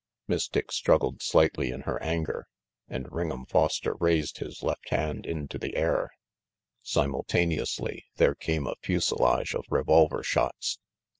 Miss Dick struggled slightly in her anger, and Ring'em Foster raised his left hand into the air. Simultaneously there came a fusilage of revolver shots.